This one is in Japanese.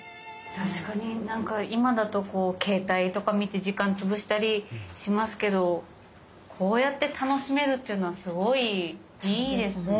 確かになんか今だと携帯とか見て時間潰したりしますけどこうやって楽しめるっていうのはすごいいいですね。